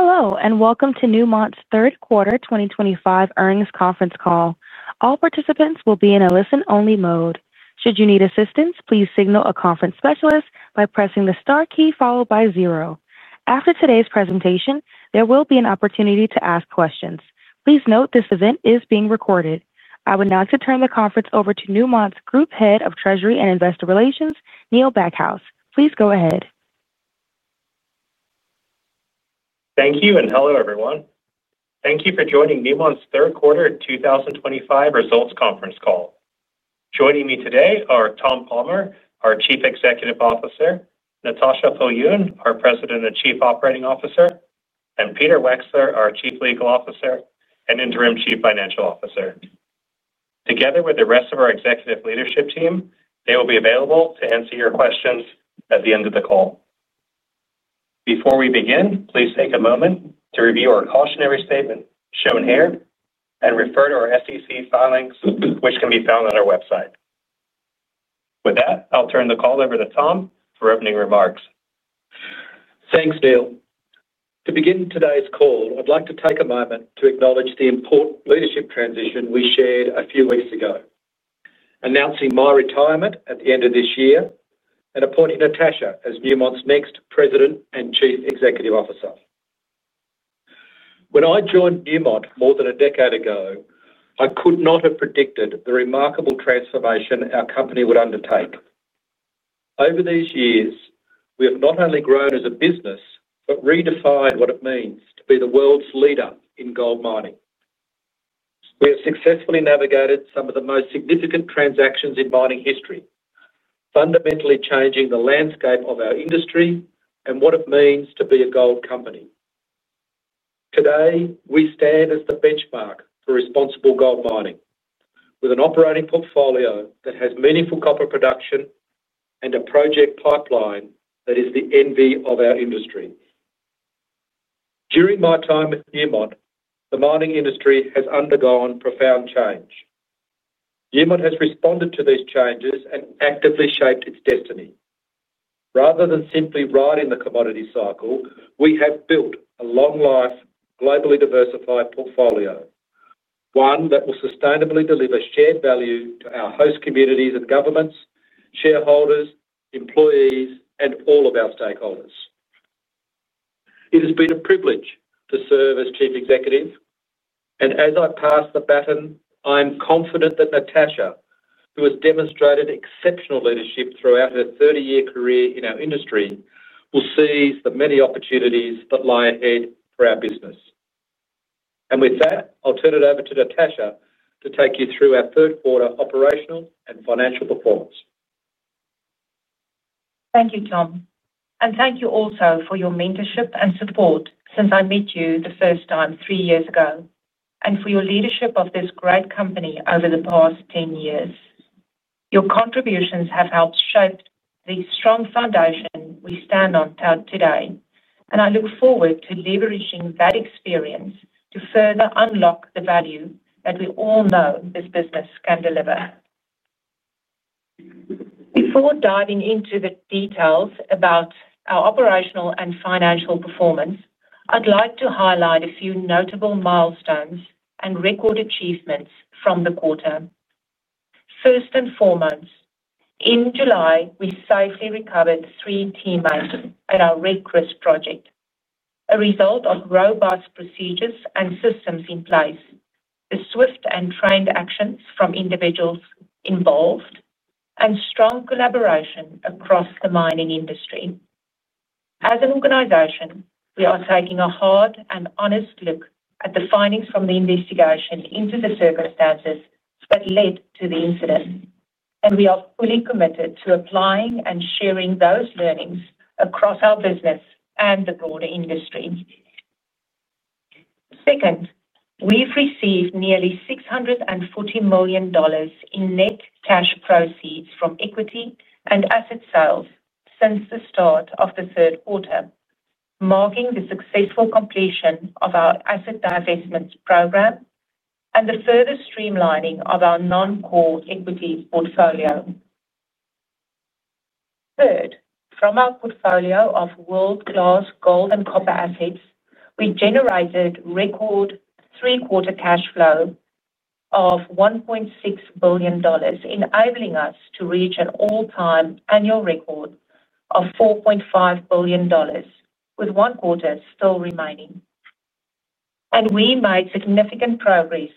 Hello, and welcome to Newmont's third quarter 2025 earnings conference call. All participants will be in a listen-only mode. Should you need assistance, please signal a conference specialist by pressing the star key followed by zero. After today's presentation, there will be an opportunity to ask questions. Please note this event is being recorded. I would now like to turn the conference over to Newmont's Group Head of Treasury and Investor Relations, Neil Backhouse. Please go ahead. Thank you, and hello, everyone. Thank you for joining Newmont's third quarter 2025 results conference call. Joining me today are Tom Palmer, our Chief Executive Officer, Natascha Viljoen, our President and Chief Operating Officer, and Peter Wexler, our Chief Legal Officer and Interim Chief Financial Officer. Together with the rest of our executive leadership team, they will be available to answer your questions at the end of the call. Before we begin, please take a moment to review our cautionary statement shown here and refer to our SEC filings, which can be found on our website. With that, I'll turn the call over to Tom for opening remarks. Thanks, Neil. To begin today's call, I'd like to take a moment to acknowledge the important leadership transition we shared a few weeks ago, announcing my retirement at the end of this year and appointing Natascha as Newmont's next President and Chief Executive Officer. When I joined Newmont more than a decade ago, I could not have predicted the remarkable transformation our company would undertake. Over these years, we have not only grown as a business but redefined what it means to be the world's leader in gold mining. We have successfully navigated some of the most significant transactions in mining history, fundamentally changing the landscape of our industry and what it means to be a gold company. Today, we stand as the benchmark for responsible gold mining, with an operating portfolio that has meaningful copper production and a project pipeline that is the envy of our industry. During my time at Newmont, the mining industry has undergone profound change. Newmont has responded to these changes and actively shaped its destiny. Rather than simply riding the commodity cycle, we have built a long-lived, globally diversified portfolio, one that will sustainably deliver shared value to our host communities and governments, shareholders, employees, and all of our stakeholders. It has been a privilege to serve as Chief Executive, and as I pass the baton, I am confident that Natascha, who has demonstrated exceptional leadership throughout her 30-year career in our industry, will seize the many opportunities that lie ahead for our business. With that, I'll turn it over to Natascha to take you through our third quarter operational and financial performance. Thank you, Tom, and thank you also for your mentorship and support since I met you the first time three years ago and for your leadership of this great company over the past 10 years. Your contributions have helped shape the strong foundation we stand on today, and I look forward to leveraging that experience to further unlock the value that we all know this business can deliver. Before diving into the details about our operational and financial performance, I'd like to highlight a few notable milestones and record achievements from the quarter. First and foremost, in July, we safely recovered three teammates at our Red Chris project, a result of robust procedures and systems in place, the swift and trained actions from individuals involved, and strong collaboration across the mining industry. As an organization, we are taking a hard and honest look at the findings from the investigation into the circumstances that led to the incident, and we are fully committed to applying and sharing those learnings across our business and the broader industry. Second, we've received nearly $640 million in net cash proceeds from equity and asset sales since the start of the third quarter, marking the successful completion of our asset divestment program and the further streamlining of our non-core equity portfolio. Third, from our portfolio of world-class gold and copper assets, we generated record three-quarter cash flow of $1.6 billion, enabling us to reach an all-time annual record of $4.5 billion, with one quarter still remaining. We made significant progress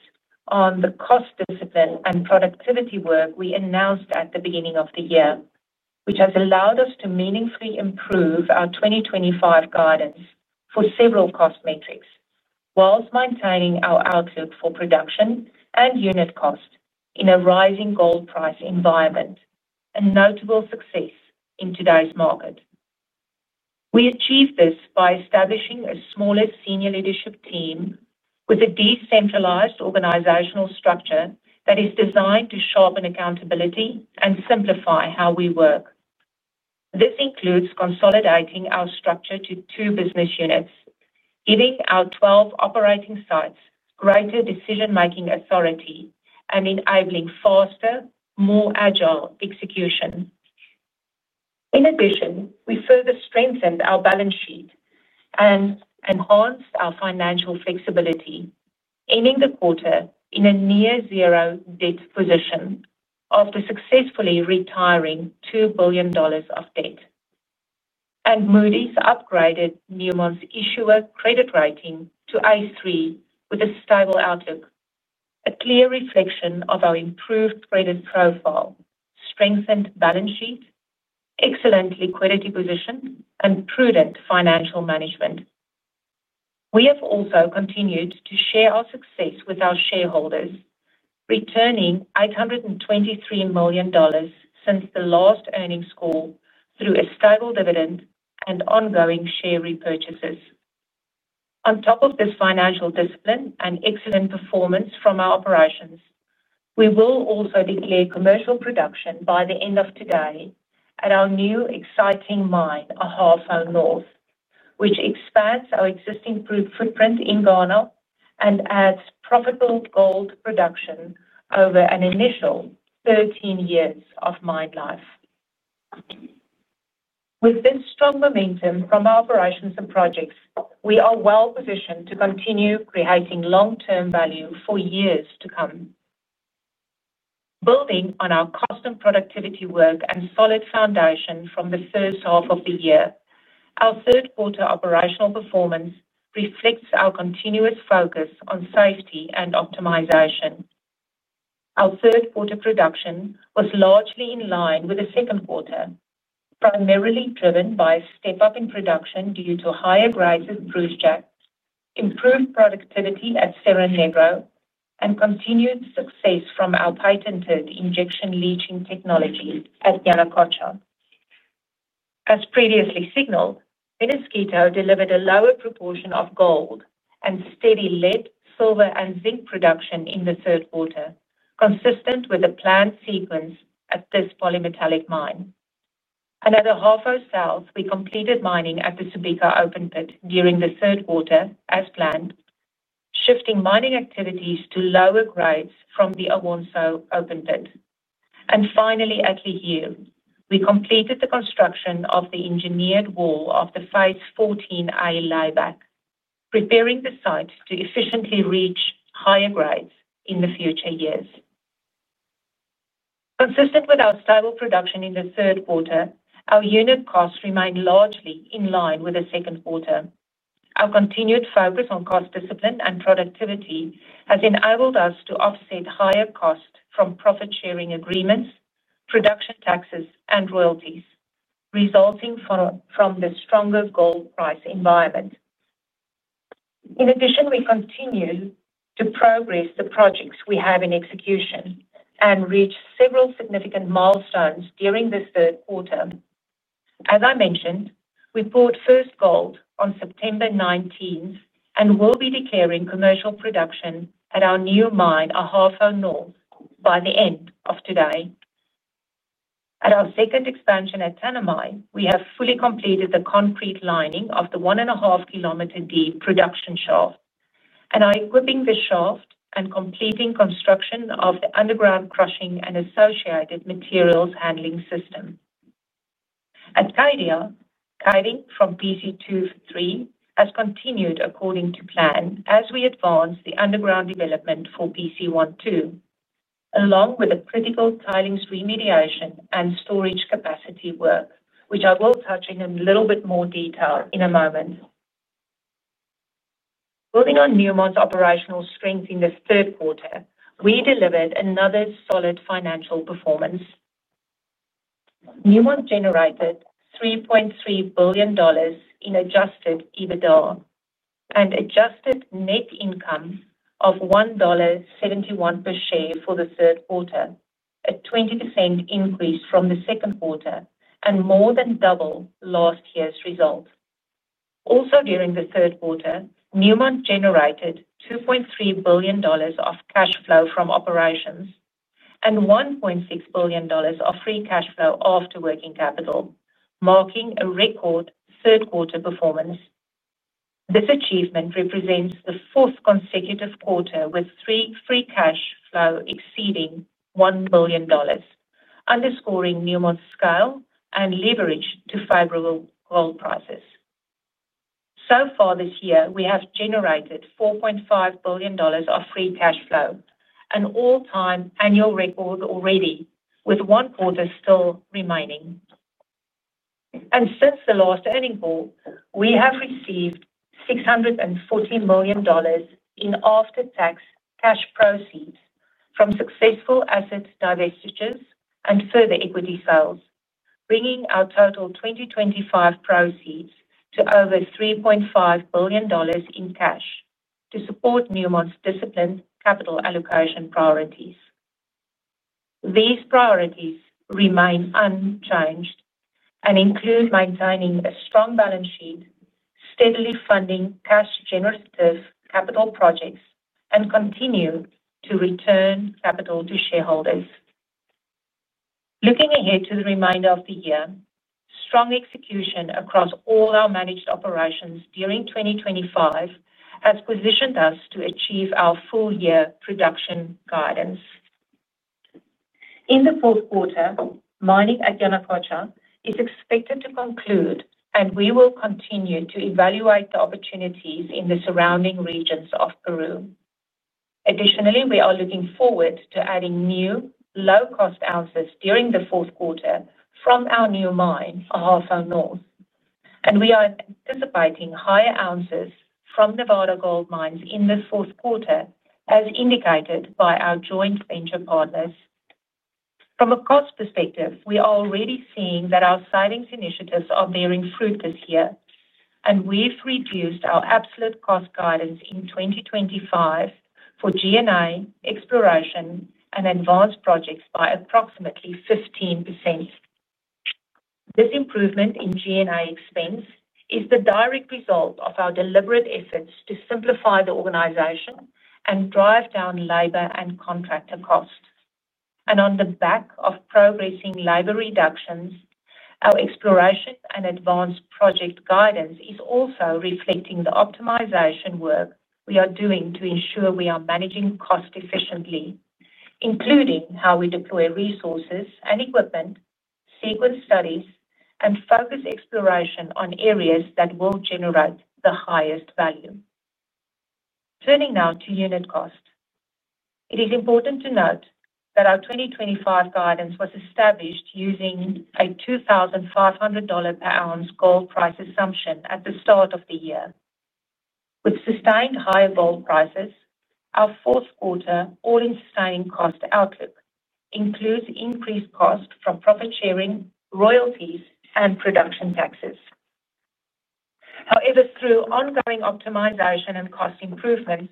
on the cost discipline and productivity work we announced at the beginning of the year, which has allowed us to meaningfully improve our 2025 guidance for several cost metrics whilst maintaining our outlook for production and unit cost in a rising gold price environment, a notable success in today's market. We achieved this by establishing a smaller Senior Leadership Team with a decentralized organizational structure that is designed to sharpen accountability and simplify how we work. This includes consolidating our structure to two business units, giving our 12 operating sites greater decision-making authority and enabling faster, more agile execution. In addition, we further strengthened our balance sheet and enhanced our financial flexibility, ending the quarter in a near-zero debt position after successfully retiring $2 billion of debt. Moody’s upgraded Newmont’s issuer credit rating to A3 with a stable outlook, a clear reflection of our improved credit profile, strengthened balance sheet, excellent liquidity position, and prudent financial management. We have also continued to share our success with our shareholders, returning $823 million since the last earnings call through a stable dividend and ongoing share repurchases. On top of this financial discipline and excellent performance from our operations, we will also declare commercial production by the end of today at our new exciting mine a half mile north, which expands our existing footprint in Ghana and adds profitable gold production over an initial 13 years of mine life. With this strong momentum from our operations and projects, we are well positioned to continue creating long-term value for years to come. Building on our custom productivity work and solid foundation from the first half of the year, our third quarter operational performance reflects our continuous focus on safety and optimization. Our third quarter production was largely in line with the second quarter, primarily driven by a step up in production due to higher grades, improved productivity at Subika Underground, and continued success from our patented injection leaching technology at Yanacocha. As previously signaled, Peñasquito delivered a lower proportion of gold and steady lead, silver, and zinc production in the third quarter, consistent with the planned sequence at this polymetallic mine. Another Ahafo South, we completed mining at the Subika Open Pit during the third quarter as planned, shifting mining activities to lower grades from the Awonsu Open Pit. Finally, at Ahafo, we completed the construction of the engineered wall of the Phase 14A layback, preparing the site to efficiently reach higher grades in the future years. Consistent with our stable production in the third quarter, our unit costs remain largely in line with the second quarter. Our continued focus on cost discipline and productivity has enabled us to offset higher costs from profit-sharing agreements, production taxes, and royalties, resulting from the stronger gold price environment. In addition, we continue to progress the projects we have in execution and reach several significant milestones during this third quarter. As I mentioned, we poured first gold on September 19 and will be declaring commercial production at our new mine Ahafo North by the end of today. At our second expansion at Tanami, we have fully completed the concrete lining of the one and a half kilometer deep production shaft, and are equipping the shaft and completing construction of the underground crushing and associated materials handling system. At Cadia, caving from BC2 to 3 has continued according to plan as we advance the underground development for BC1 too, along with a critical tailings remediation and storage capacity work, which I will touch on in a little bit more detail in a moment. Building on Newmont's operational strength in the third quarter, we delivered another solid financial performance. Newmont generated $3.3 billion in adjusted EBITDA and adjusted net income of $1.71 per share for the third quarter, a 20% increase from the second quarter and more than double last year's result. Also, during the third quarter, Newmont generated $2.3 billion of cash flow from operations and $1.6 billion of free cash flow after working capital, marking a record third quarter performance. This achievement represents the fourth consecutive quarter with free cash flow exceeding $1 billion, underscoring Newmont's scale and leverage to favorable gold prices. So far this year, we have generated $4.5 billion of free cash flow, an all-time annual record already, with one quarter still remaining. Since the last earnings call, we have received $640 million in after-tax cash proceeds from successful asset divestitures and further equity sales, bringing our total 2025 proceeds to over $3.5 billion in cash to support Newmont's disciplined capital allocation priorities. These priorities remain unchanged and include maintaining a strong balance sheet, steadily funding cash-generative capital projects, and continuing to return capital to shareholders. Looking ahead to the remainder of the year, strong execution across all our managed operations during 2025 has positioned us to achieve our full-year production guidance. In the fourth quarter, mining at Yanacocha is expected to conclude, and we will continue to evaluate the opportunities in the surrounding regions of Peru. Additionally, we are looking forward to adding new low-cost ounces during the fourth quarter from our new mine Ahafo North, and we are anticipating higher ounces from Nevada Gold Mines in the fourth quarter, as indicated by our joint venture partners. From a cost perspective, we are already seeing that our savings initiatives are bearing fruit this year, and we've reduced our absolute cost guidance in 2025 for G&A, exploration, and advanced projects by approximately 15%. This improvement in G&A expense is the direct result of our deliberate efforts to simplify the organization and drive down labor and contractor costs. On the back of progressing labor reductions, our exploration and advanced project guidance is also reflecting the optimization work we are doing to ensure we are managing cost efficiently, including how we deploy resources and equipment, sequence studies, and focus exploration on areas that will generate the highest value. Turning now to unit cost, it is important to note that our 2025 guidance was established using a $2,500 per ounce gold price assumption at the start of the year. With sustained higher gold prices, our fourth quarter all-in sustaining cost outlook includes increased costs from profit sharing, royalties, and production taxes. However, through ongoing optimization and cost improvements,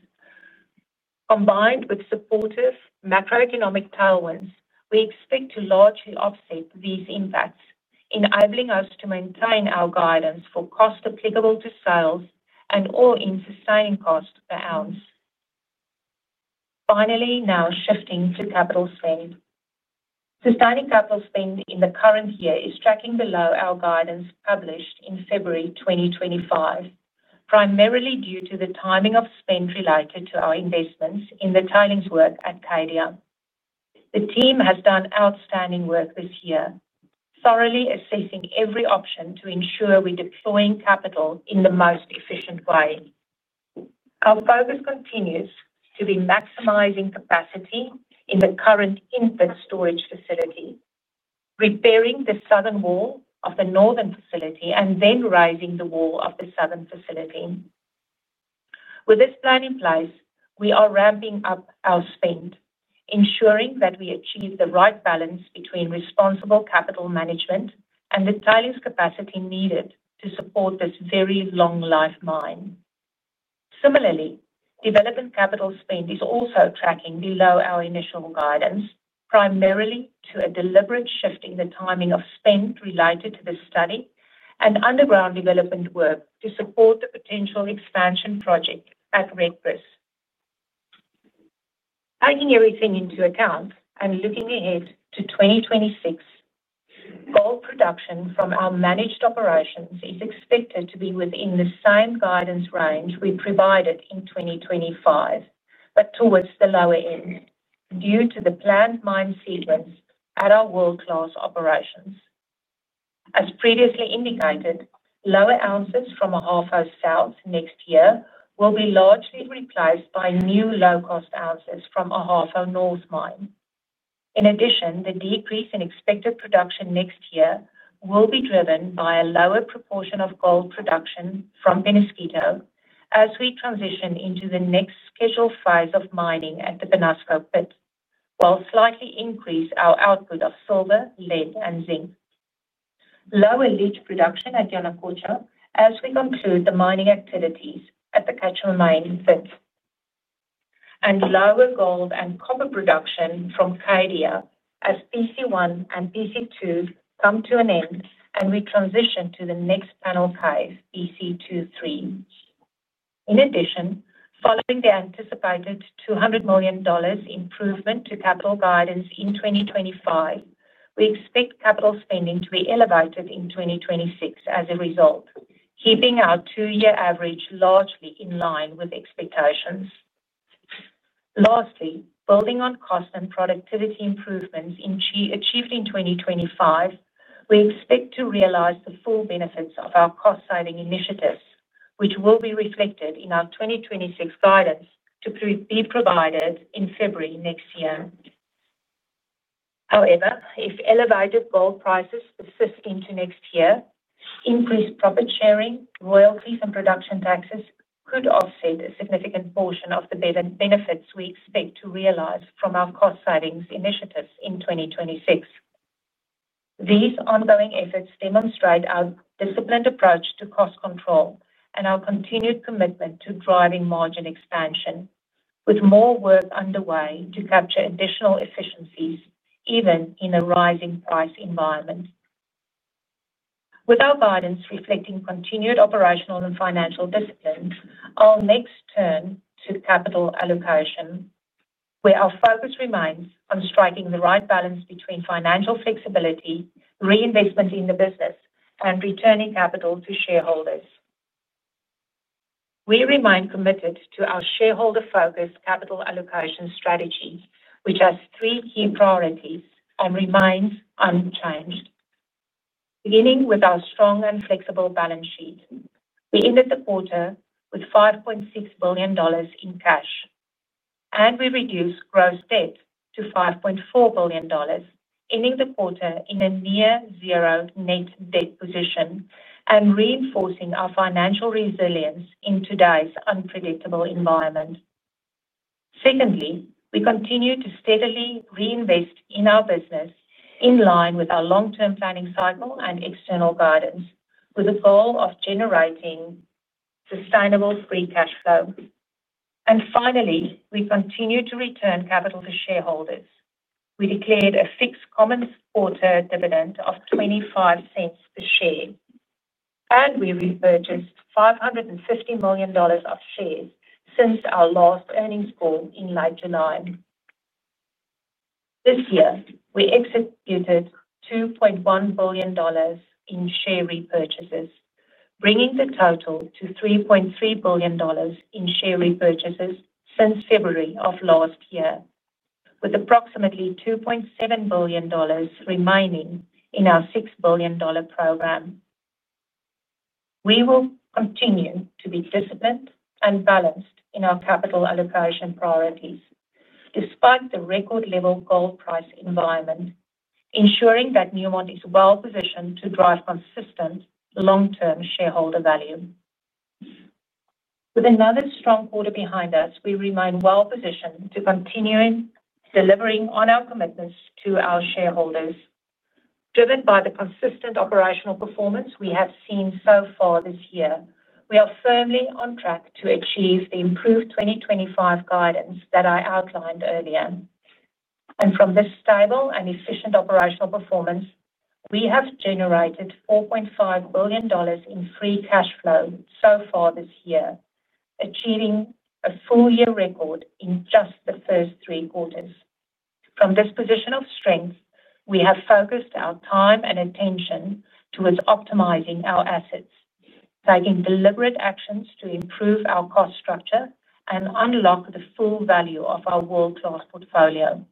combined with supportive macroeconomic tailwinds, we expect to largely offset these impacts, enabling us to maintain our guidance for cost applicable to sales and all-in sustaining cost per ounce. Finally, now shifting to capital spend, sustaining capital spend in the current year is tracking below our guidance published in February 2025, primarily due to the timing of spend related to our investments in the tailings work at Cadia. The team has done outstanding work this year, thoroughly assessing every option to ensure we're deploying capital in the most efficient way. Our focus continues to be maximizing capacity in the current input storage facility, repairing the southern wall of the northern facility, and then raising the wall of the southern facility. With this plan in place, we are ramping up our spend, ensuring that we achieve the right balance between responsible capital management and the tailings capacity needed to support this very long-life mine. Similarly, development capital spend is also tracking below our initial guidance, primarily due to a deliberate shift in the timing of spend related to the study and underground development work to support the potential expansion project at Red Chris. Taking everything into account and looking ahead to 2026, gold production from our managed operations is expected to be within the same guidance range we provided in 2025, but towards the lower end due to the planned mine sequence at our world-class operations. As previously indicated, lower ounces from a Ahafo South next year will be largely replaced by new low-cost ounces from Ahafo North mine. In addition, the decrease in expected production next year will be driven by a lower proportion of gold production from Peñasquito as we transition into the next scheduled phase of mining at the Peñasco Pit, while slightly increasing our output of silver, lead, and zinc. Lower leach production at Yanacocha as we conclude the mining activities at the Quecher Main in 2025, and lower gold and copper production from Cadia as BC1 and BC2 come to an end and we transition to the next panel phase, BC23. In addition, following the anticipated $200 million improvement to capital guidance in 2025, we expect capital spending to be elevated in 2026 as a result, keeping our two-year average largely in line with expectations. Lastly, building on cost and productivity improvements achieved in 2025, we expect to realize the full benefits of our cost-saving initiatives, which will be reflected in our 2026 guidance to be provided in February next year. However, if elevated gold prices persist into next year, increased profit sharing, royalties, and production taxes could offset a significant portion of the benefits we expect to realize from our cost-savings initiatives in 2026. These ongoing efforts demonstrate our disciplined approach to cost control and our continued commitment to driving margin expansion, with more work underway to capture additional efficiencies even in a rising price environment. With our guidance reflecting continued operational and financial discipline, I'll next turn to capital allocation, where our focus remains on striking the right balance between financial flexibility, reinvestment in the business, and returning capital to shareholders. We remain committed to our shareholder-focused capital allocation strategy, which has three key priorities and remains unchanged. Beginning with our strong and flexible balance sheet, we ended the quarter with $5.6 billion in cash, and we reduced gross debt to $5.4 billion, ending the quarter in a near-zero net debt position and reinforcing our financial resilience in today's unpredictable environment. Secondly, we continue to steadily reinvest in our business in line with our long-term planning cycle and external guidance, with a goal of generating sustainable free cash flow. Finally, we continue to return capital to shareholders. We declared a fixed common quarter dividend of $0.25 per share, and we repurchased $550 million of shares since our last earnings call in late July. This year, we executed $2.1 billion in share repurchases, bringing the total to $3.3 billion in share repurchases since February of last year, with approximately $2.7 billion remaining in our $6 billion program. We will continue to be disciplined and balanced in our capital allocation priorities, despite the record-level gold price environment, ensuring that Newmont is well positioned to drive consistent long-term shareholder value. With another strong quarter behind us, we remain well positioned to continue delivering on our commitments to our shareholders. Driven by the consistent operational performance we have seen so far this year, we are firmly on track to achieve the improved 2025 guidance that I outlined earlier. From this stable and efficient operational performance, we have generated $4.5 billion in free cash flow so far this year, achieving a full-year record in just the first three quarters. From this position of strength, we have focused our time and attention towards optimizing our assets, taking deliberate actions to improve our cost structure and unlock the full value of our world-class portfolio.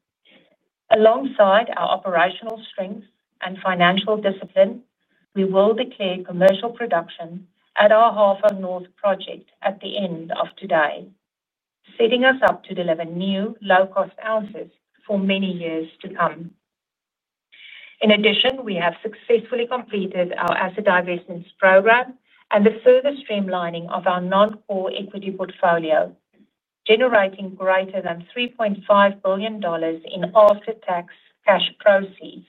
Alongside our operational strength and financial discipline, we will declare commercial production at Ahafo North project at the end of today, setting us up to deliver new low-cost ounces for many years to come. In addition, we have successfully completed our asset divestment program and the further streamlining of our non-core equity portfolio, generating greater than $3.5 billion in after-tax cash proceeds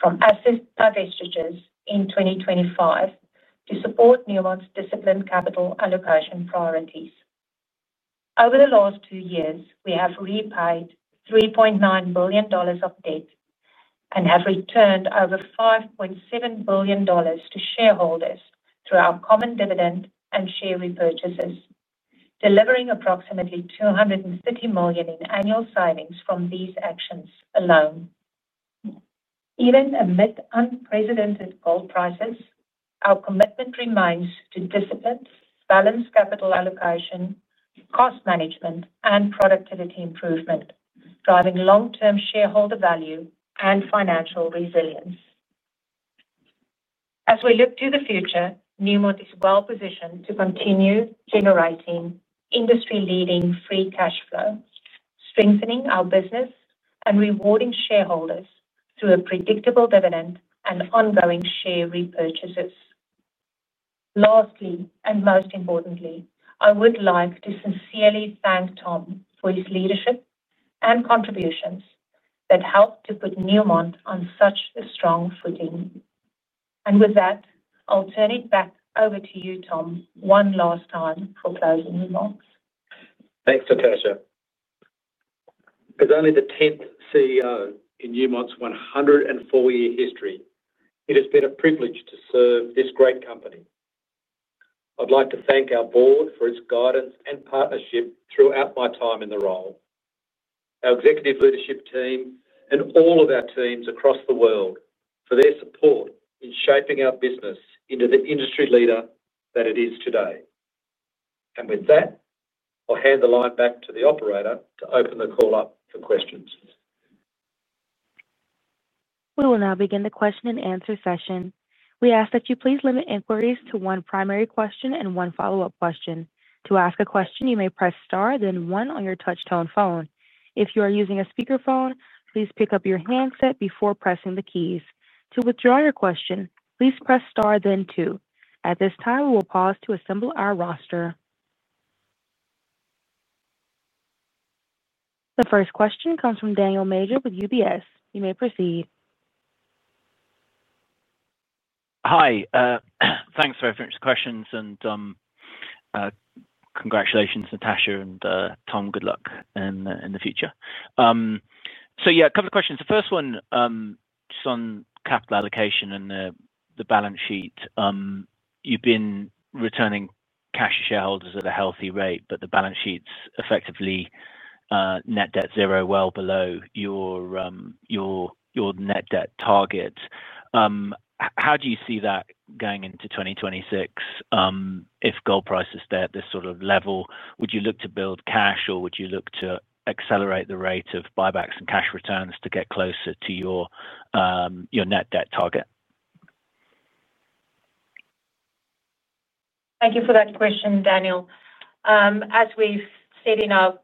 from asset divestitures in 2025 to support Newmont's disciplined capital allocation priorities. Over the last two years, we have repaid $3.9 billion of debt and have returned over $5.7 billion to shareholders through our common dividend and share repurchases, delivering approximately $230 million in annual savings from these actions alone. Even amid unprecedented gold prices, our commitment remains to disciplined, balanced capital allocation, cost management, and productivity improvement, driving long-term shareholder value and financial resilience. As we look to the future, Newmont is well positioned to continue generating industry-leading free cash flow, strengthening our business, and rewarding shareholders through a predictable dividend and ongoing share repurchases. Lastly, most importantly, I would like to sincerely thank Tom for his leadership and contributions that helped to put Newmont on such a strong footing. With that, I'll turn it back over to you, Tom, one last time for closing remarks. Thanks, Natascha. As only the 10th CEO in Newmont's 104-year history, it has been a privilege to serve this great company. I'd like to thank our Board for its guidance and partnership throughout my time in the role, our Executive Leadership Team, and all of our teams across the world for their support in shaping our business into the industry leader that it is today. I'll hand the line back to the operator to open the call up for questions. We will now begin the question and answer session. We ask that you please limit inquiries to one primary question and one follow-up question. To ask a question, you may press star, then one on your touch-tone phone. If you are using a speaker phone, please pick up your handset before pressing the keys. To withdraw your question, please press star, then two. At this time, we will pause to assemble our roster. The first question comes from Daniel Major with UBS. You may proceed. Hi. Thanks very much for the questions and congratulations, Natascha and Tom. Good luck in the future. A couple of questions. The first one is on capital allocation and the balance sheet. You've been returning cash to shareholders at a healthy rate, but the balance sheet's effectively net debt zero, well below your net debt target. How do you see that going into 2026? If gold price is there at this sort of level, would you look to build cash or would you look to accelerate the rate of buybacks and cash returns to get closer to your net debt target? Thank you for that question, Daniel. As we've said in our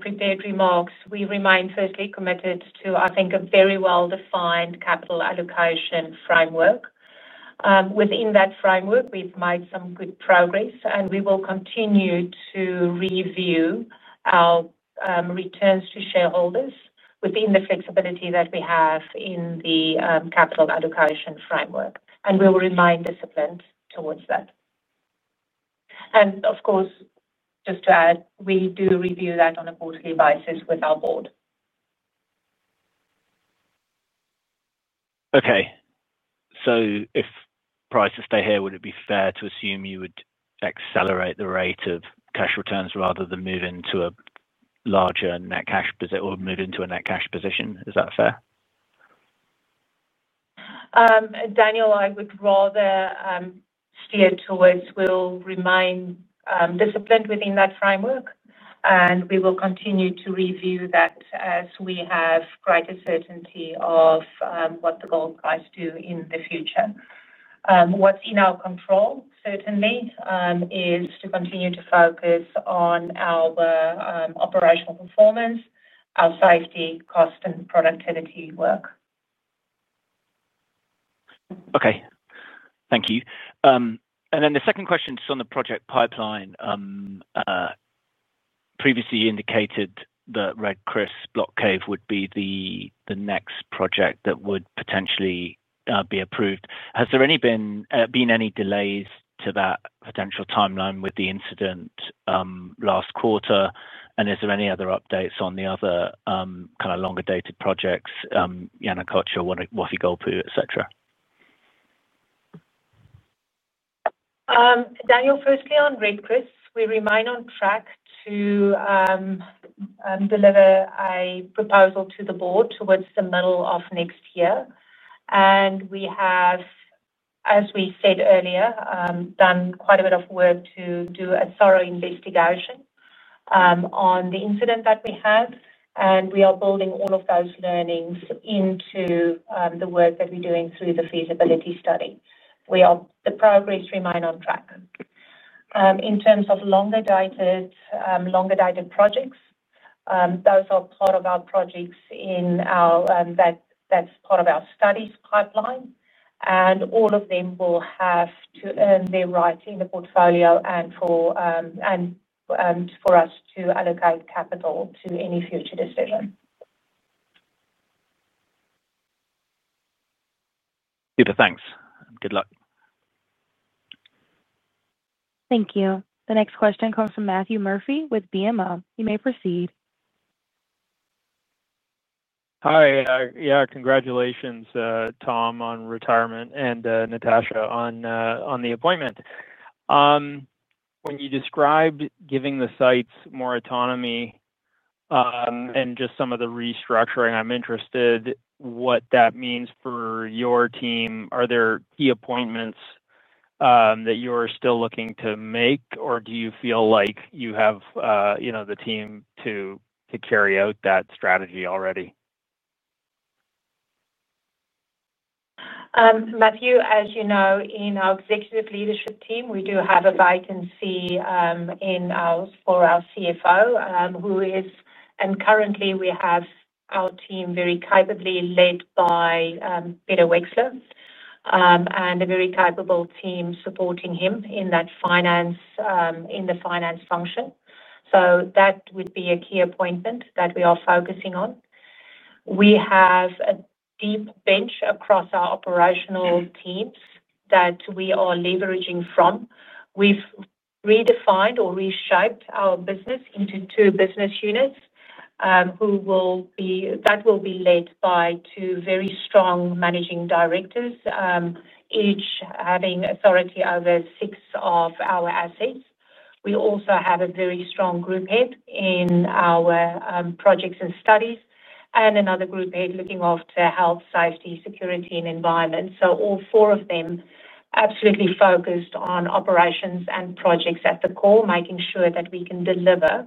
prepared remarks, we remain firstly committed to, I think, a very well-defined capital allocation framework. Within that framework, we've made some good progress, and we will continue to review our returns to shareholders within the flexibility that we have in the capital allocation framework. We will remain disciplined towards that. Just to add, we do review that on a quarterly basis with our board. Okay. If prices stay here, would it be fair to assume you would accelerate the rate of cash returns rather than move into a larger net cash position or move into a net cash position? Is that fair? Daniel, I would rather steer towards we'll remain disciplined within that framework, and we will continue to review that as we have greater certainty of what the gold price do in the future. What's in our control, certainly, is to continue to focus on our operational performance, our safety, cost, and productivity work. Okay. Thank you. The second question is on the project pipeline. Previously, you indicated that Red Chris Block Cave would be the next project that would potentially be approved. Has there been any delays to that potential timeline with the incident last quarter? Is there any other updates on the other kind of longer-dated projects, Yanacocha, Wafi-Golpu, etc.? Daniel, firstly on Red Chris, we remain on track to deliver a proposal to the board towards the middle of next year. We have, as we said earlier, done quite a bit of work to do a thorough investigation on the incident that we have, and we are building all of those learnings into the work that we're doing through the feasibility study. The progress remains on track. In terms of longer-dated projects, those are part of our projects in our studies pipeline, and all of them will have to earn their rights in the portfolio for us to allocate capital to any future decision. Peter, thanks, and good luck. Thank you. The next question comes from Matthew Murphy with BMO Capital Markets. You may proceed. Hi. Congratulations, Tom, on retirement and Natascha on the appointment. When you described giving the sites more autonomy and just some of the restructuring, I'm interested in what that means for your team. Are there key appointments that you're still looking to make, or do you feel like you have the team to carry out that strategy already? Matthew, as you know, in our Executive Leadership Team, we do have a vacancy in ours for our CFO, who is, and currently, we have our team very capably led by Peter Wexler and a very capable team supporting him in that finance function. That would be a key appointment that we are focusing on. We have a deep bench across our operational teams that we are leveraging from. We've redefined or reshaped our business into two business units that will be led by two very strong Managing Directors, each having authority over six of our assets. We also have a very strong Group Head in our projects and studies and another Group Head looking after health, safety, security, and environment. All four of them are absolutely focused on operations and projects at the core, making sure that we can deliver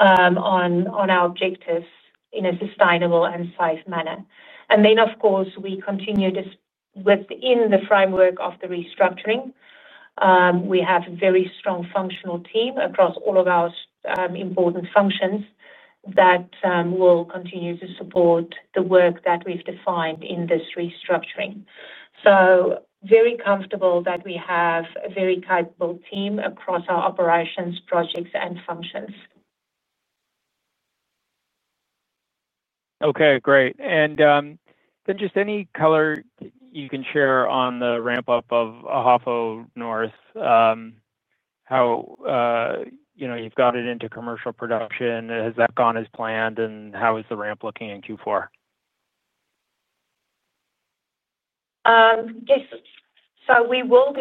on our objectives in a sustainable and safe manner. Of course, we continue this within the framework of the restructuring. We have a very strong functional team across all of our important functions that will continue to support the work that we've defined in this restructuring. Very comfortable that we have a very capable team across our operations, projects, and functions. Great. Any color you can share on the ramp-up of Ahafo North, how you know, you've got it into commercial production? Has that gone as planned, and how is the ramp looking in Q4? Yes. We will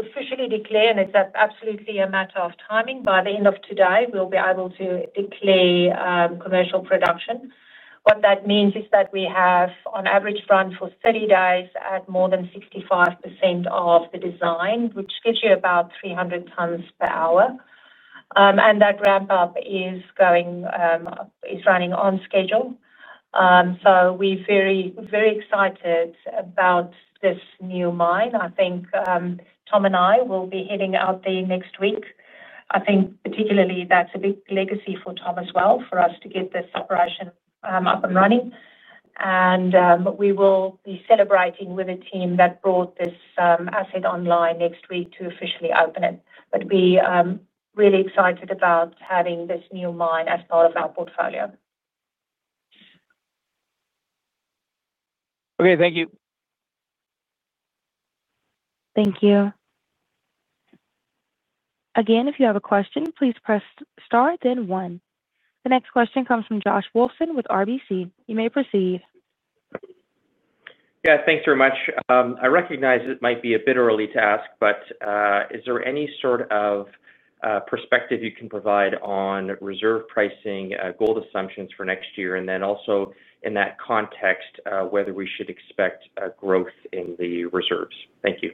officially declare, and it's absolutely a matter of timing. By the end of today, we'll be able to declare commercial production. What that means is that we have, on average, run for 30 days at more than 65% of the design, which gives you about 300 tons per hour. That ramp-up is running on schedule. We're very, very excited about this new mine. I think Tom and I will be heading out there next week. I think particularly that's a big legacy for Tom as well, for us to get this operation up and running. We will be celebrating with a team that brought this asset online next week to officially open it. We're really excited about having this new mine as part of our portfolio. Okay, thank you. Thank you. Again, if you have a question, please press star, then one. The next question comes from Joshua Mark Wolfson with RBC Capital Markets. You may proceed. Yeah, thanks very much. I recognize it might be a bit early to ask, but is there any sort of perspective you can provide on reserve pricing, gold assumptions for next year, and then also in that context, whether we should expect growth in the reserves? Thank you.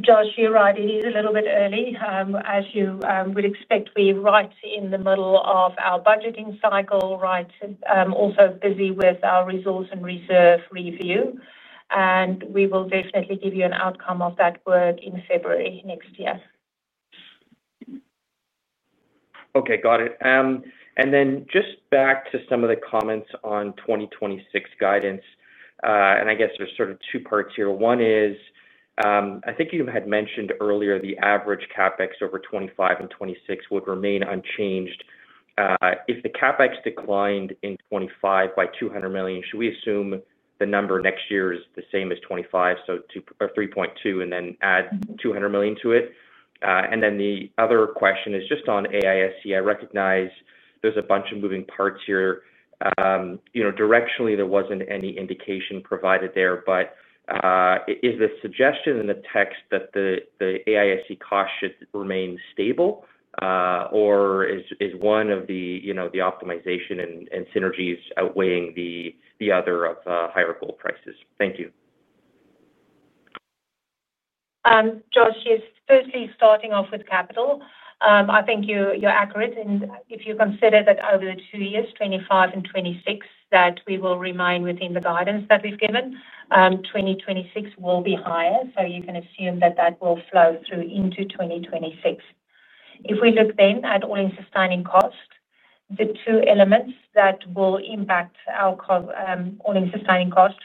Josh, you're right. It is a little bit early. As you would expect, we're right in the middle of our budgeting cycle, right? Also busy with our resource and reserve review. We will definitely give you an outcome of that work in February next year. Okay. Got it. Just back to some of the comments on 2026 guidance, I guess there's sort of two parts here. One is, I think you had mentioned earlier the average CapEx over 2025 and 2026 would remain unchanged. If the CapEx declined in 2025 by $200 million, should we assume the number next year is the same as 2025, so $3.2 billion, and then add $200 million to it? The other question is just on AISC. I recognize there's a bunch of moving parts here. Directionally, there wasn't any indication provided there, but is the suggestion in the text that the AISC cost should remain stable, or is one of the optimization and synergies outweighing the other of higher gold prices? Thank you. Josh, you're firstly starting off with capital. I think you're accurate. If you consider that over the two years, 2025 and 2026, we will remain within the guidance that we've given, 2026 will be higher. You can assume that that will flow through into 2026. If we look then at all-in sustaining cost, the two elements that will impact our all-in sustaining cost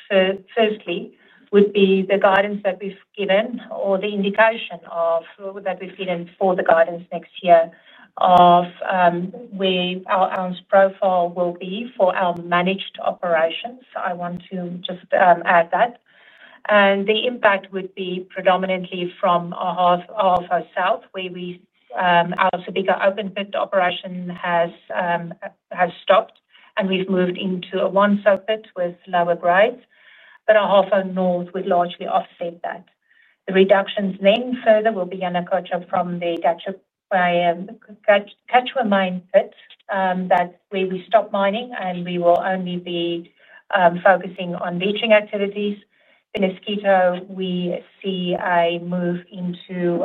firstly would be the guidance that we've given or the indication that we've given for the guidance next year of where our ounce profile will be for our managed operations. I want to just add that. The impact would be predominantly from a Ahafo South, where our bigger open pit operation has stopped, and we've moved into a one-zone pit with lower grades. Ahafo North would largely offset that. The reductions then further will be Yanacocha from the Quecher Mine Pit, where we stopped mining, and we will only be focusing on leaching activities. Peñasquito, we see a move into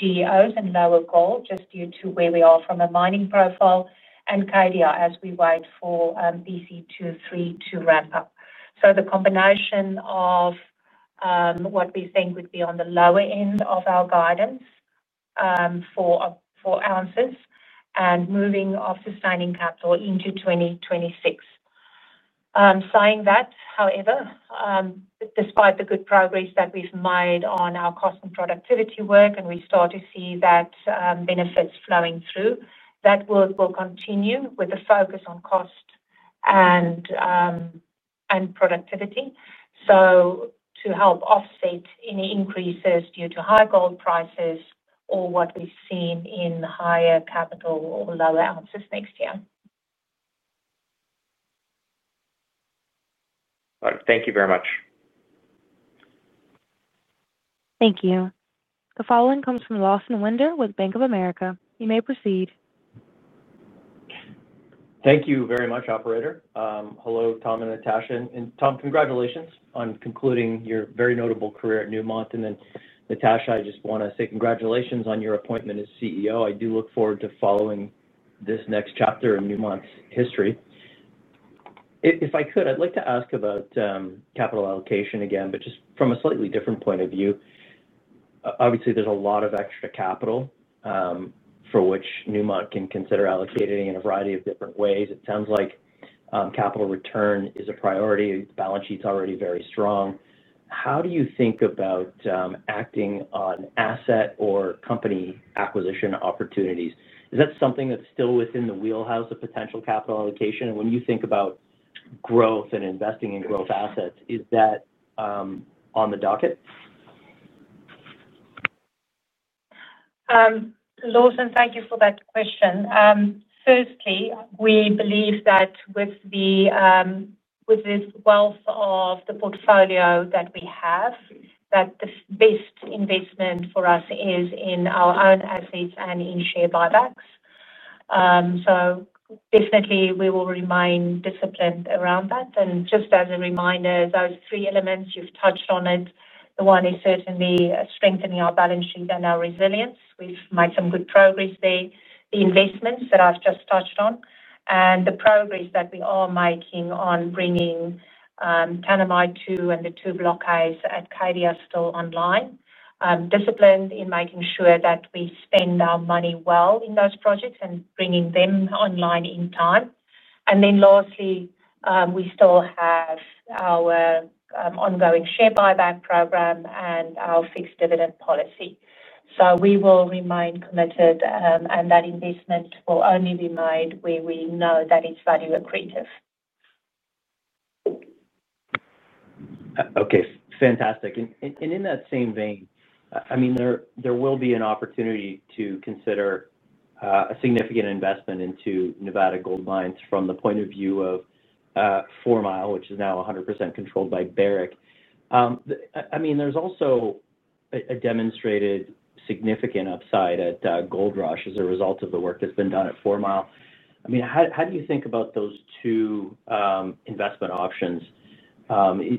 GEOs and lower gold just due to where we are from a mining profile. Cadia, as we wait for BC23 to ramp up. The combination of what we think would be on the lower end of our guidance for ounces and moving of sustaining capital into 2026. Saying that, however, despite the good progress that we've made on our cost and productivity work, and we start to see that benefits flowing through, that work will continue with a focus on cost and productivity to help offset any increases due to high gold prices or what we've seen in higher capital or lower ounces next year. All right, thank you very much. Thank you. The following comes from Lawson Winder with Bank of America. You may proceed. Thank you very much, operator. Hello, Tom and Natascha. Tom, congratulations on concluding your very notable career at Newmont. Natascha, I just want to say congratulations on your appointment as CEO. I do look forward to following this next chapter in Newmont's history. If I could, I'd like to ask about capital allocation again, just from a slightly different point of view. Obviously, there's a lot of extra capital for which Newmont can consider allocating in a variety of different ways. It sounds like capital return is a priority. The balance sheet is already very strong. How do you think about acting on asset or company acquisition opportunities? Is that something that's still within the wheelhouse of potential capital allocation? When you think about growth and investing in growth assets, is that on the docket? Lawson, thank you for that question. Firstly, we believe that with this wealth of the portfolio that we have, the best investment for us is in our own assets and in share buybacks. We will remain disciplined around that. Just as a reminder, those three elements, you've touched on it. The one is certainly strengthening our balance sheet and our resilience. We've made some good progress there. The investments that I've just touched on and the progress that we are making on bringing Tanami Expansion 2 and the two block caves at Cadia still online, disciplined in making sure that we spend our money well in those projects and bringing them online in time. Lastly, we still have our ongoing share buyback program and our fixed dividend policy. We will remain committed, and that investment will only be made where we know that it's value accretive. Okay. Fantastic. In that same vein, there will be an opportunity to consider a significant investment into Nevada Gold Mines from the point of view of Fourmile, which is now 100% controlled by Barrick. There is also a demonstrated significant upside at Goldrush as a result of the work that's been done at Fourmile. How do you think about those two investment options?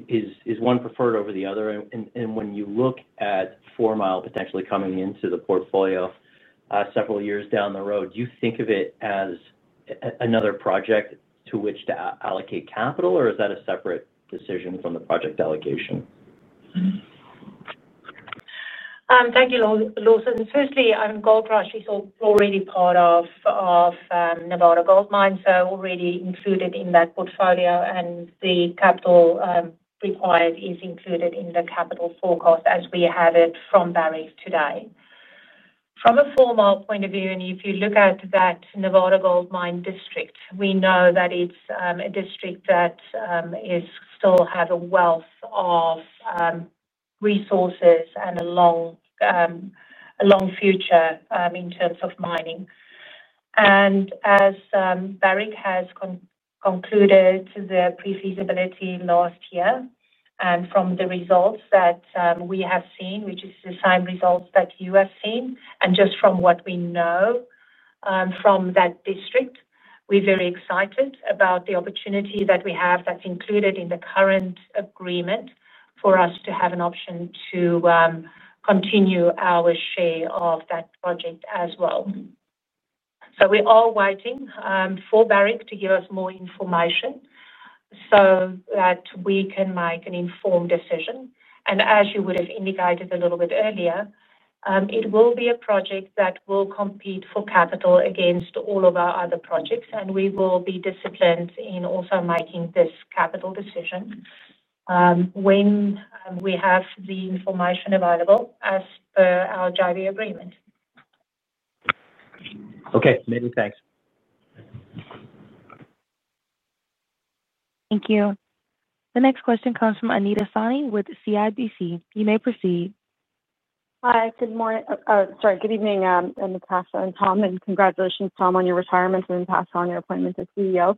Is one preferred over the other? When you look at Fourmile potentially coming into the portfolio several years down the road, do you think of it as another project to which to allocate capital, or is that a separate decision from the project allocation? Thank you, Lawson. Firstly, Goldrush is already part of Nevada Gold Mines, so already included in that portfolio, and the capital required is included in the capital forecast as we have it from Barrick today. From a Fourmile point of view, if you look at that Nevada Gold Mines district, we know that it's a district that still has a wealth of resources and a long future in terms of mining. As Barrick has concluded their prefeasibility last year, and from the results that we have seen, which is the same results that you have seen, and just from what we know from that district, we're very excited about the opportunity that we have that's included in the current agreement for us to have an option to continue our share of that project as well. We are waiting for Barrick to give us more information so that we can make an informed decision. As you would have indicated a little bit earlier, it will be a project that will compete for capital against all of our other projects, and we will be disciplined in also making this capital decision when we have the information available as per our joint venture agreement. Okay, many thanks. Thank you. The next question comes from Anita Soni with CIBC. You may proceed. Hi. Good morning. Good evening, Natascha and Tom. Congratulations, Tom, on your retirement and, in passing, on your appointment as CEO.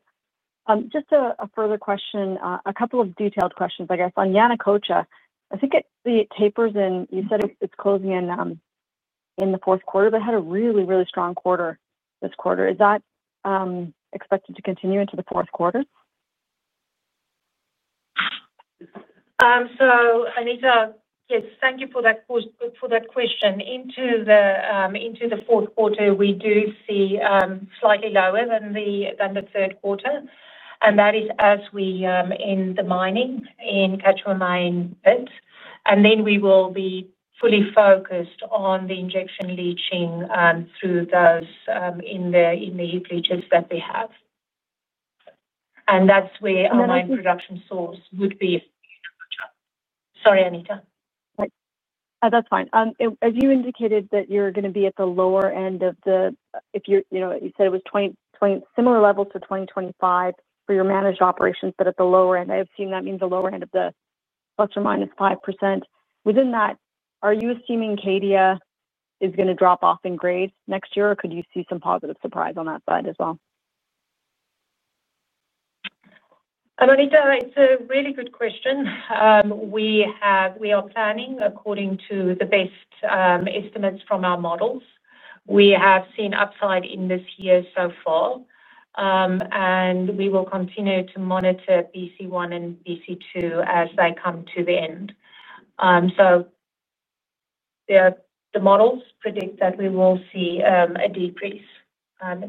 Just a further question, a couple of detailed questions, I guess. On Yanacocha, I think it tapers in. You said it's closing in in the fourth quarter, but it had a really, really strong quarter this quarter. Is that expected to continue into the fourth quarter? Anita, yes, thank you for that question. Into the fourth quarter, we do see slightly lower than the third quarter, and that is as we end the mining in Quecher Mine Pit. Then we will be fully focused on the injection leaching through those in the heap leachers that we have. That's where our mine production source would be. Sorry, Anita. That's fine. As you indicated that you're going to be at the lower end of the, if you're, you know, you said it was 2025 similar levels for your managed operations, but at the lower end. I assume that means the lower end of the plus or minus 5%. Within that, are you assuming Cadia is going to drop off in grades next year, or could you see some positive surprise on that side as well? Anita, it's a really good question. We are planning according to the best estimates from our models. We have seen upside in this year so far, and we will continue to monitor BC1 and BC2 as they come to the end. The models predict that we will see a decrease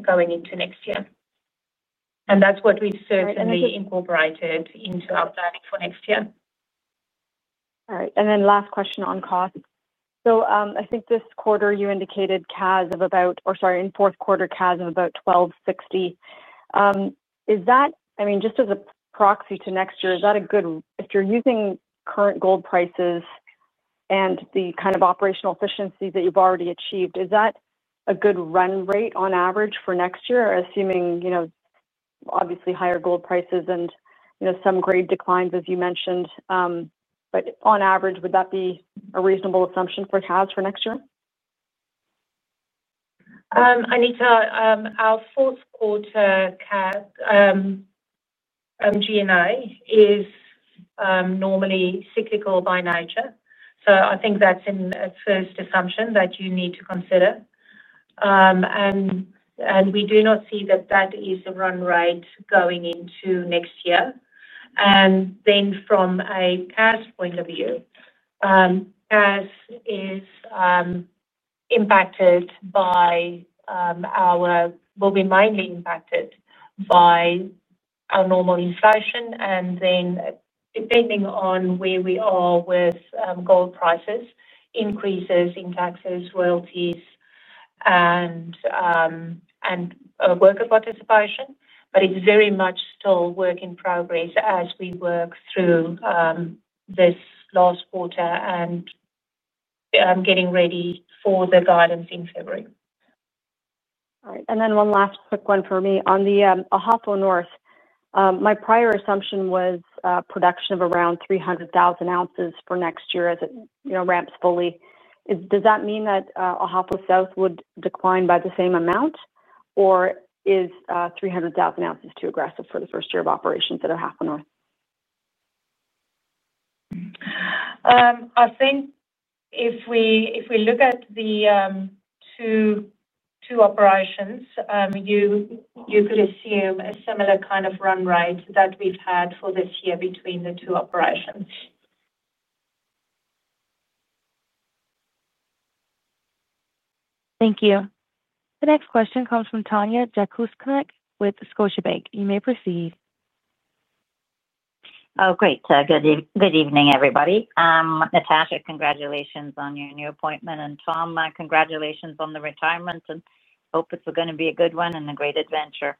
going into next year, and that's what we've certainly incorporated into our planning for next year. All right. Last question on cost. I think this quarter you indicated CAS of about, or sorry, in fourth quarter, CAS of about $1,260. I mean, just as a proxy to next year, is that a good, if you're using current gold prices and the kind of operational efficiencies that you've already achieved, is that a good run rate on average for next year, assuming, you know, obviously, higher gold prices and, you know, some grade declines, as you mentioned? On average, would that be a reasonable assumption for CAS for next year? Anita, our fourth quarter CAS G&A is normally cyclical by nature. I think that's a first assumption that you need to consider. We do not see that that is a run rate going into next year. From a CAS point of view, CAS is impacted by our, will be mainly impacted by our normal inflation. Depending on where we are with gold prices, increases in taxes, royalties, and worker participation, it's very much still a work in progress as we work through this last quarter and getting ready for the guidance in February. All right. One last quick one for me. On the Ahafo North, my prior assumption was production of around 300,000 ounces for next year as it ramps fully. Does that mean that Ahafo South would decline by the same amount, or is 300,000 ounces too aggressive for the first year of operations at Ahafo North? I think if we look at the two operations, you could assume a similar kind of run rate that we've had for this year between the two operations. Thank you. The next question comes from Tanya Jakusconek with Scotiabank. You may proceed. Oh, great. Good evening, everybody. Natascha, congratulations on your new appointment. Tom, congratulations on the retirement. I hope it's going to be a good one and a great adventure.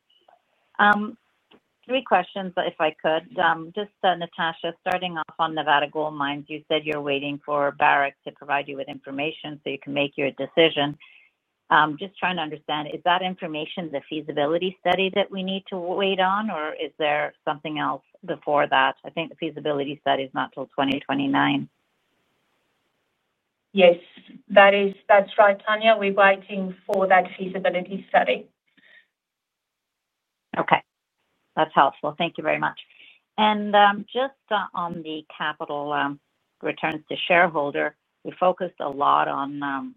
Three questions, if I could. Natascha, starting off on Nevada Gold Mines, you said you're waiting for Barrick to provide you with information so you can make your decision. Just trying to understand, is that information the feasibility study that we need to wait on, or is there something else before that? I think the feasibility study is not till 2029. Yes, that's right, Tanya. We're waiting for that feasibility study. Okay. That's helpful. Thank you very much. Just on the capital returns to shareholder, we focused a lot on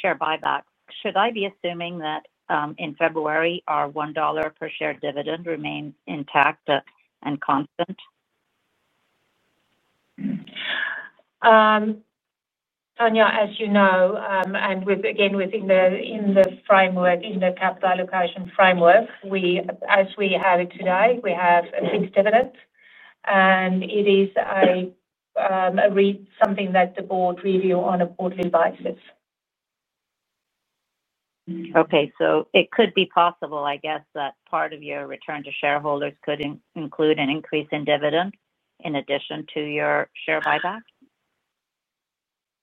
share buybacks. Should I be assuming that in February, our $1 per share dividend remains intact and constant? Tanya, as you know, within the capital allocation framework as we have it today, we have a fixed dividend. It is something that the board reviews on a quarterly basis. Okay. It could be possible, I guess, that part of your return to shareholders could include an increase in dividend in addition to your share buyback?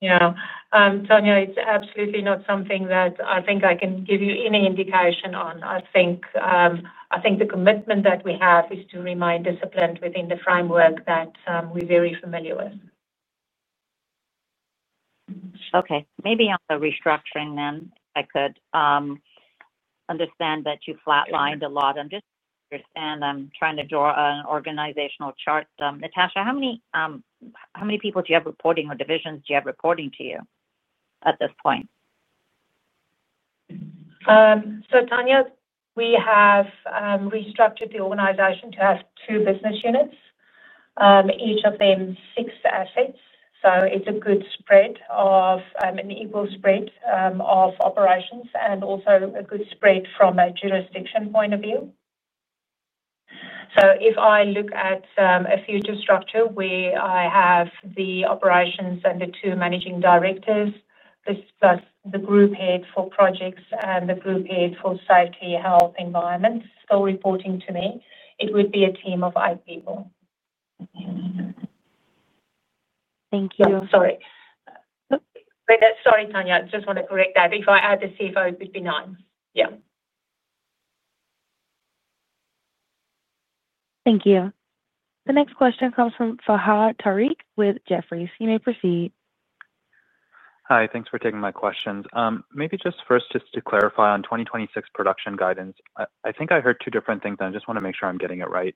Tanya, it's absolutely not something that I think I can give you any indication on. I think the commitment that we have is to remain disciplined within the framework that we're very familiar with. Okay. Maybe on the restructuring then, if I could understand that you flatlined a lot. I'm just trying to understand. I'm trying to draw an organizational chart. Natascha, how many people do you have reporting or divisions do you have reporting to you at this point? Tanya, we have restructured the organization to have two business units, each of them six assets. It's a good spread of an equal spread of operations and also a good spread from a jurisdiction point of view. If I look at a future structure where I have the operations and the two Managing Directors, this plus the Group Head for Projects and the Group Head for Safety, Health, Environment still reporting to me, it would be a team of eight people. Thank you. Sorry, Tanya. I just want to correct that. If I add the CFO, it would be nine. Yeah. Thank you. The next question comes from Fahad Tariq with Jefferies. You may proceed. Hi. Thanks for taking my questions. Maybe just first, to clarify on 2026 production guidance, I think I heard two different things, and I just want to make sure I'm getting it right.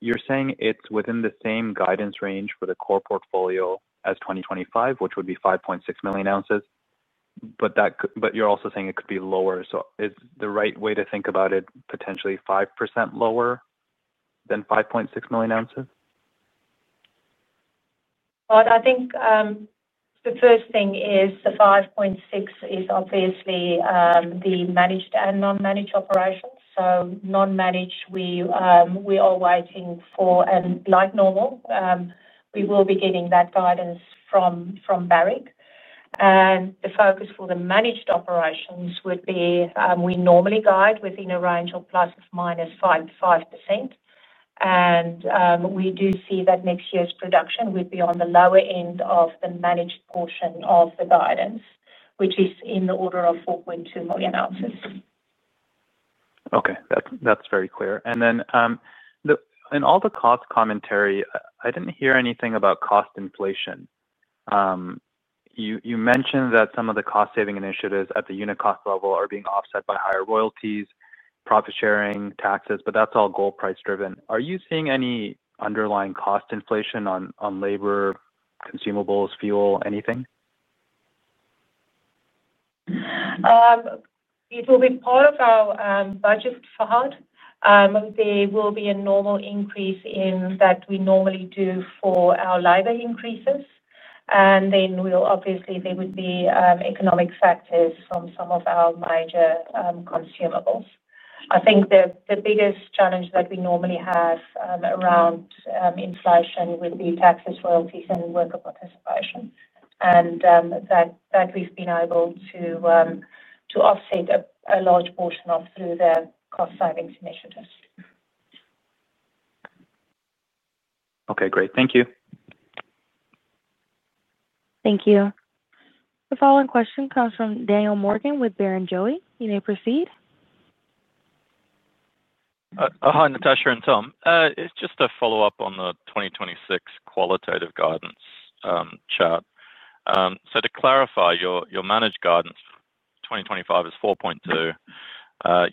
You're saying it's within the same guidance range for the core portfolio as 2025, which would be 5.6 million ounces, but you're also saying it could be lower. Is the right way to think about it potentially 5% lower than 5.6 million ounces? I think the first thing is the 5.6 is obviously the managed and non-managed operations. Non-managed, we are waiting for, and like normal, we will be getting that guidance from Barrick. The focus for the managed operations would be we normally guide within a range of plus or minus 5%. We do see that next year's production would be on the lower end of the managed portion of the guidance, which is in the order of 4.2 million ounces. Okay. That's very clear. In all the cost commentary, I didn't hear anything about cost inflation. You mentioned that some of the cost-saving initiatives at the unit cost level are being offset by higher royalties, profit sharing, taxes, but that's all gold price-driven. Are you seeing any underlying cost inflation on labor, consumables, fuel, anything? It will be part of our budget flood. There will be a normal increase in that we normally do for our labor increases. There would be economic factors from some of our major consumables. I think the biggest challenge that we normally have around inflation would be taxes, royalties, and worker participation. We've been able to offset a large portion of that through the cost-savings initiatives. Okay. Great. Thank you. Thank you. The following question comes from Daniel Morgan with Barrenjoey. You may proceed. Hi, Natascha and Tom. It's just a follow-up on the 2026 qualitative guidance chart. To clarify, your managed guidance for 2025 is 4.2.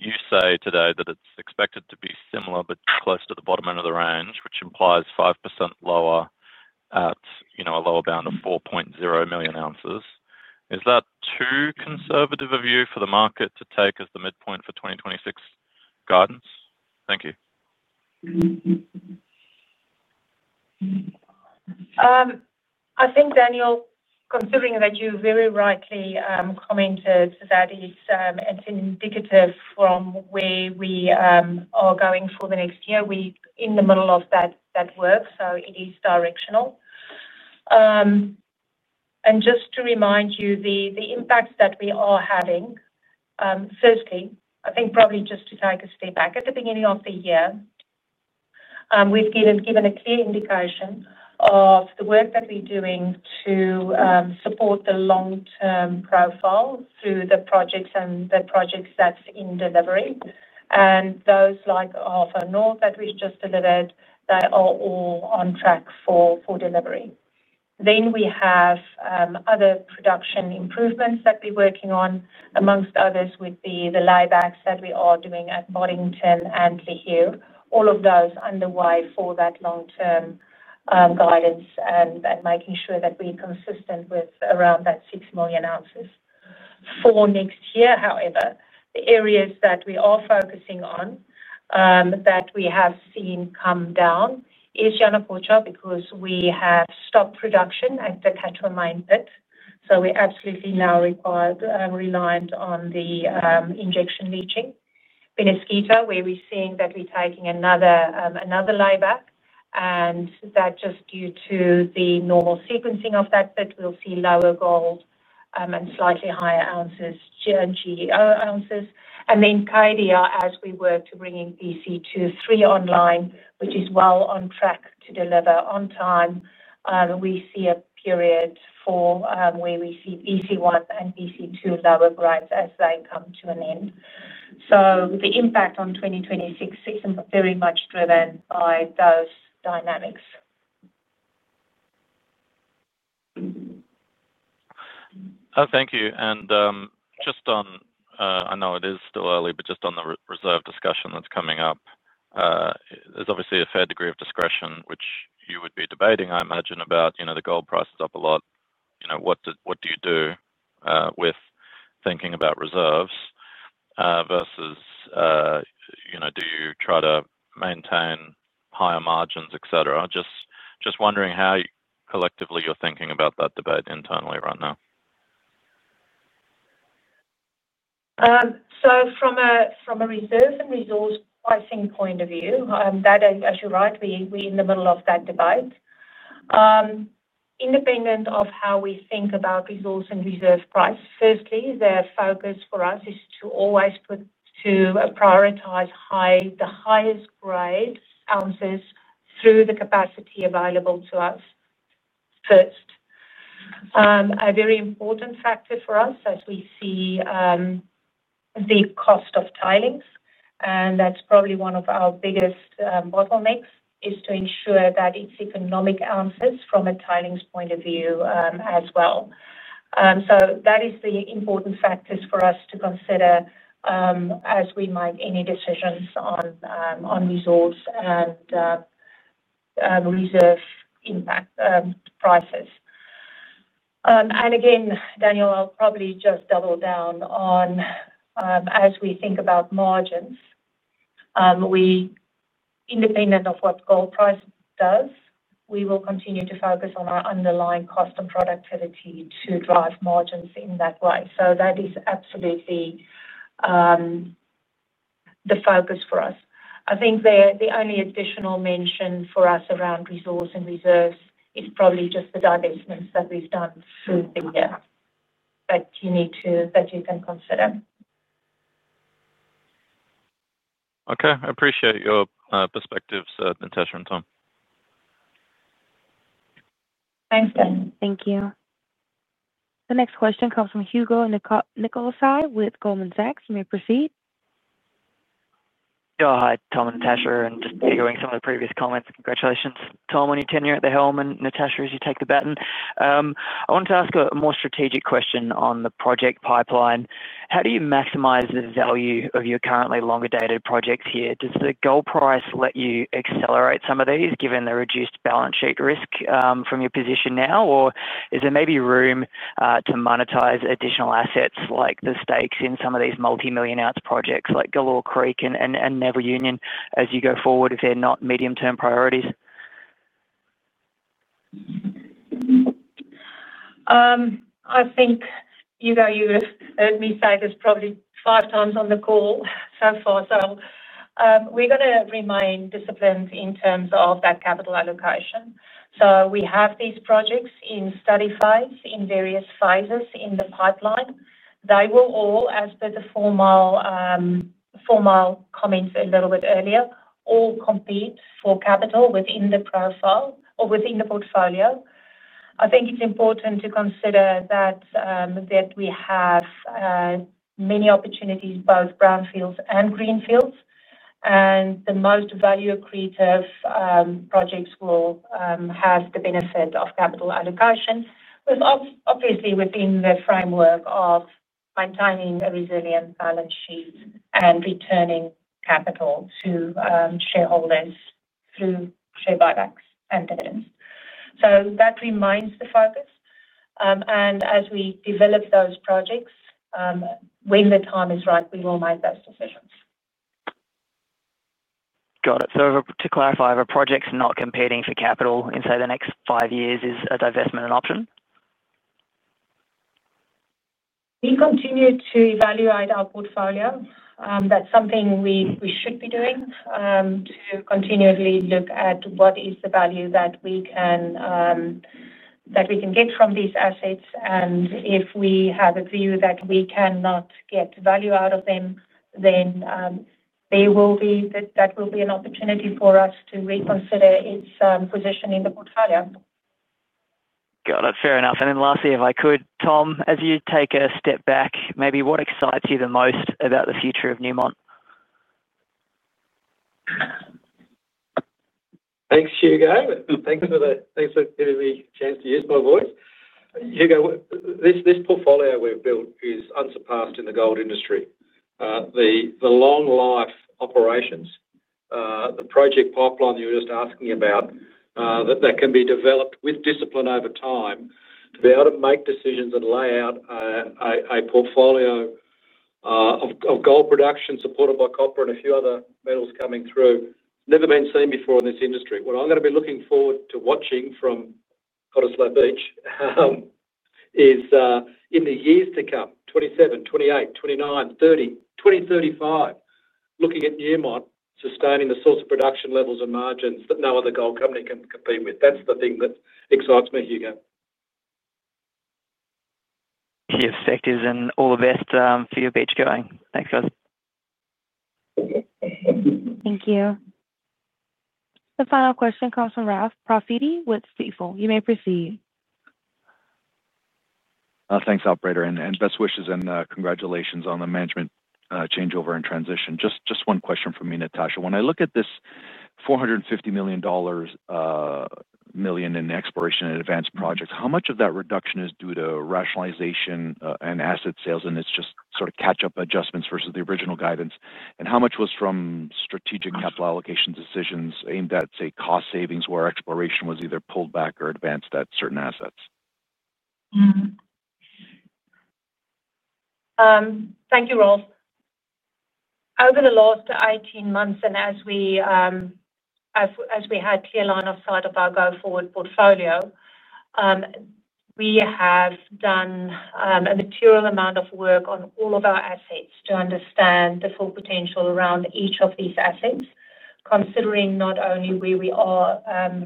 You say today that it's expected to be similar but close to the bottom end of the range, which implies 5% lower at a lower bound of 4.0 million ounces. Is that too conservative of you for the market to take as the midpoint for 2026 guidance? Thank you. I think, Daniel, considering that you very rightly commented that it's indicative from where we are going for the next year, we're in the middle of that work, so it is directional. Just to remind you, the impacts that we are having, firstly, I think probably just to take a step back. At the beginning of the year, we've given a clear indication of the work that we're doing to support the long-term profile through the projects and the projects that are in delivery. Those like Ahafo North that we've just delivered are all on track for delivery. We have other production improvements that we're working on, amongst others with the leach pads that we are doing at Boddington and Lihir. All of those are underway for that long-term guidance and making sure that we're consistent with around that 6 million ounces. For next year, however, the areas that we are focusing on that we have seen come down are Yanacocha because we have stopped production at the Quechua Mine Pit. We're absolutely now reliant on the injection leaching. Peñasquito, where we're seeing that we're taking another lye back, and that is just due to the normal sequencing of that pit, we'll see lower gold and slightly higher ounces and GEO ounces. Cadia, as we work to bring in BC2/3 online, which is well on track to deliver on time, we see a period where we see BC1 and BC2 lower grades as they come to an end. The impact on 2026 is very much driven by those dynamics. Thank you. Just on the reserve discussion that's coming up, there's obviously a fair degree of discretion, which you would be debating, I imagine, about, you know, the gold price is up a lot. You know, what do you do with thinking about reserves versus, you know, do you try to maintain higher margins, etc.? Just wondering how collectively you're thinking about that debate internally right now. From a reserve and resource pricing point of view, as you're right, we're in the middle of that debate. Independent of how we think about resource and reserve price, firstly, the focus for us is to always prioritize the highest grade ounces through the capacity available to us first. A very important factor for us as we see the cost of tailings, and that's probably one of our biggest bottlenecks, is to ensure that it's economic ounces from a tailings point of view as well. That is the important factor for us to consider as we make any decisions on resource and reserve impact prices. Again, Daniel, I'll probably just double down on as we think about margins, independent of what gold price does, we will continue to focus on our underlying cost and productivity to drive margins in that way. That is absolutely the focus for us. I think the only additional mention for us around resource and reserves is probably just the divestments that we've done through the year that you can consider. Okay. I appreciate your perspectives, Natascha and Tom. Thanks, Daniel. Thank you. The next question comes from Hugo Nicolaci with Goldman Sachs. You may proceed. Yeah, hi, Tom and Natascha. Just echoing some of the previous comments, congratulations, Tom, on your tenure at the helm and Natascha, as you take the baton. I want to ask a more strategic question on the project pipeline. How do you maximize the value of your currently longer-dated projects here? Does the gold price let you accelerate some of these given the reduced balance sheet risk from your position now, or is there maybe room to monetize additional assets like the stakes in some of these multi-million ounce projects like Galore Creek and Neville Union as you go forward if they're not medium-term priorities? I think, Hugo, you've heard me say this probably 5x on the call so far. We're going to remain disciplined in terms of that capital allocation. We have these projects in study phase, in various phases in the pipeline. They will all, as per the Fourmile comments a little bit earlier, all compete for capital within the profile or within the portfolio. I think it's important to consider that we have many opportunities, both brownfields and greenfields. The most value accretive projects will have the benefit of capital allocation, obviously within the framework of maintaining a resilient balance sheet and returning capital to shareholders through share buybacks and dividends. That remains the focus. As we develop those projects, when the time is right, we will make those decisions. Got it. To clarify, if a project's not competing for capital in, say, the next five years, is a divestment an option? We continue to evaluate our portfolio. That's something we should be doing, to continually look at what is the value that we can get from these assets. If we have a view that we cannot get value out of them, that will be an opportunity for us to reconsider its position in the portfolio. Got it. Fair enough. Lastly, if I could, Tom, as you take a step back, maybe what excites you the most about the future of Newmont? Thanks, Hugo. Thanks for the chance to use my voice. Hugo, this portfolio we've built is unsurpassed in the gold industry. The long-life operations, the project pipeline that you were just asking about, that can be developed with discipline over time to be able to make decisions and lay out a portfolio of gold production supported by copper and a few other metals coming through, it's never been seen before in this industry. What I'm going to be looking forward to watching from Godislaw Beach is in the years to come, 2027, 2028, 2029, 2030, 2035, looking at Newmont sustaining the source of production levels and margins that no other gold company can compete with. That's the thing that excites me, Hugo. You're effective, and all the best for your beach going. Thanks, guys. Thank you. The final question comes from Ralph Profidi with Stifel. You may proceed. Thanks, operator. Best wishes and congratulations on the management changeover and transition. Just one question from me, Natascha. When I look at this $450 million in exploration and advanced projects, how much of that reduction is due to rationalization and asset sales, and it's just sort of catch-up adjustments versus the original guidance? How much was from strategic capital allocation decisions aimed at, say, cost savings where exploration was either pulled back or advanced at certain assets? Thank you, Ralph. Over the last 18 months, and as we had clear line of sight of our go-forward portfolio, we have done a material amount of work on all of our assets to understand the full potential around each of these assets, considering not only where we are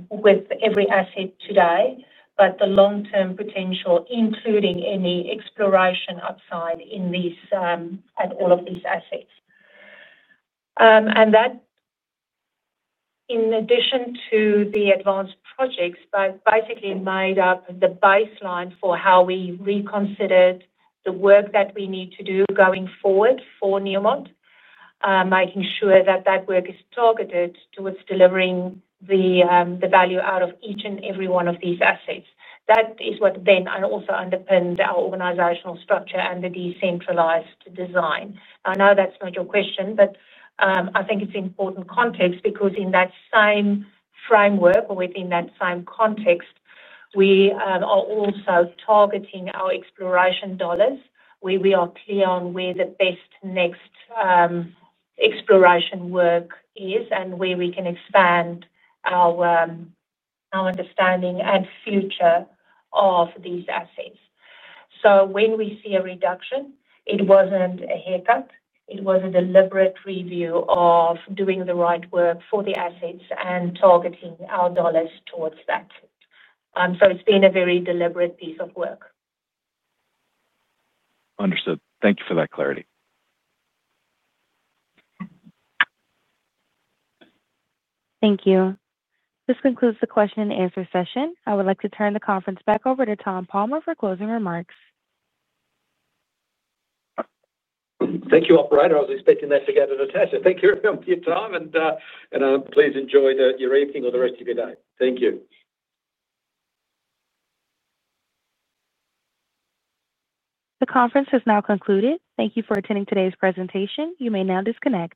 with every asset today, but the long-term potential, including any exploration upside in all of these assets. That, in addition to the advanced projects, basically made up the baseline for how we reconsidered the work that we need to do going forward for Newmont, making sure that that work is targeted towards delivering the value out of each and every one of these assets. That is what then also underpins our organizational structure and the decentralized design. I know that's not your question, but I think it's important context because in that same framework or within that same context, we are also targeting our exploration dollars, where we are clear on where the best next exploration work is and where we can expand our understanding and future of these assets. When we see a reduction, it wasn't a haircut. It was a deliberate review of doing the right work for the assets and targeting our dollars towards that. It's been a very deliberate piece of work. Understood. Thank you for that clarity. Thank you. This concludes the question and answer session. I would like to turn the conference back over to Tom Palmer for closing remarks. Thank you, operator. I was expecting that to get to Natascha. Thank you, Tom. Please enjoy your evening or the rest of your day. Thank you. The conference has now concluded. Thank you for attending today's presentation. You may now disconnect.